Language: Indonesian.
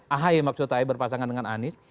ahy maksudnya berpasangan dengan anies